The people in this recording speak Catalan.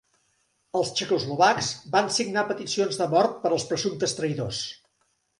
Els txecoslovacs va signar peticions de mort per als presumptes traïdors.